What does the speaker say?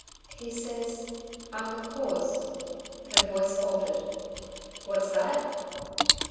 "He says ... I'm the cause...." Her voice faltered. "What's that?"